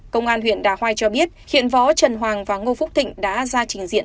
công an huyện đà hoai cho biết hiện võ trần hoàng và ngô phúc thịnh đã ra trình diện